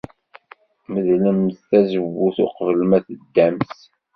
Medlemt tazewwut uqbel ma teddamt.